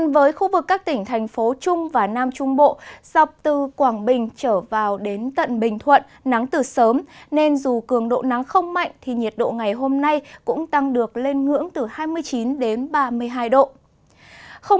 với các tỉnh thành phố ở khu vực phía đông bắc bộ trưa và chiều nay trời cũng bật nắng nền nhiệt ngày tăng lên mức từ hai mươi năm hai mươi tám độ